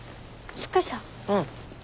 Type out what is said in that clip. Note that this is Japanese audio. うん。